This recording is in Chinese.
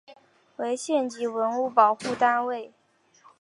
为县级文物保护单位。